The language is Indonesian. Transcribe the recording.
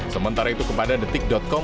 sementara itu kepada detik com